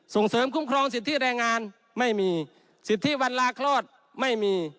ส่งเสริมคุ้มครองสิทธิแรงงานไม่มีสิทธิวันลาคลอดไม่มี